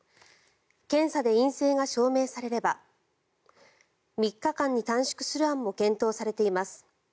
検査で陰性が証明されれば３日間に短縮する案も検討されています。